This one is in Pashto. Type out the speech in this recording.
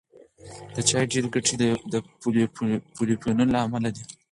د چای ډېری ګټې د پولیفینول له امله دي.